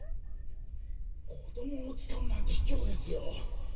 子どもを使うなんて卑怯ですよ！